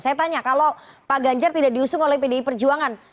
saya tanya kalau pak ganjar tidak diusung oleh pdi perjuangan